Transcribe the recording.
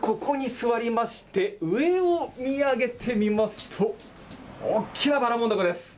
さあ、ここに座りまして、上を見上げてみますと、大きなばらもんだこです。